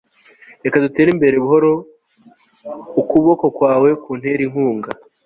reka dutere imbere buhoro; ukuboko kwawe kuntere inkunga